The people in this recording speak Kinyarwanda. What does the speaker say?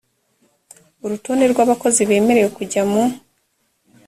urutonde rw abakozi bemerewe kujya mu